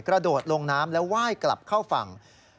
กระโดดลงน้ำแล้วไหว้กลับเข้าฝั่ง